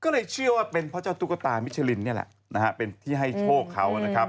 ก็เลยเชื่อว่าเป็นเพราะเจ้าตุ๊กตามิชลินนี่แหละนะฮะเป็นที่ให้โชคเขานะครับ